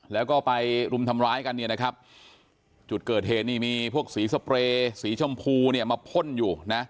แล้วก็ไปรุมทำร้ายกันจุดเกิดเหตุนี้มีพวกสีสเปรย์สีชมพูมาพ่นอยู่